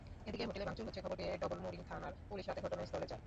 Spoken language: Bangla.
এদিকে হোটেলে ভাঙচুর হচ্ছে খবর পেয়ে ডবলমুরিং থানার পুলিশ রাতে ঘটনাস্থলে যায়।